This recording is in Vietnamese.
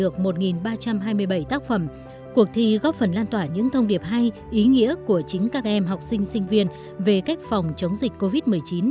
cuộc thi góp phần lan tỏa những thông điệp hay ý nghĩa của chính các em học sinh sinh viên về cách phòng chống dịch covid một mươi chín